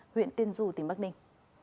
huyện tiên du tỉnh bắc ninh